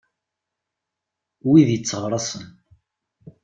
Wid itteɣraṣen.